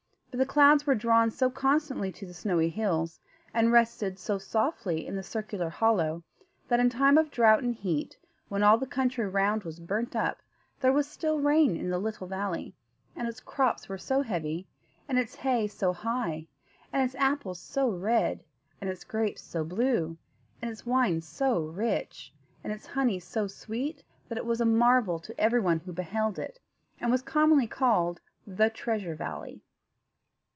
But the clouds were drawn so constantly to the snowy hills, and rested so softly in the circular hollow, that in time of drought and heat, when all the country round was burnt up, there was still rain in the little valley; and its crops were so heavy, and its hay so high, and its apples so red, and its grapes so blue, and its wine so rich, and its honey so sweet that it was a marvel to everyone who beheld it, and was commonly called the Treasure Valley.